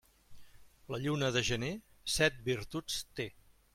La lluna de gener set virtuts té.